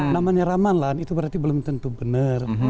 namanya ramalan itu berarti belum tentu benar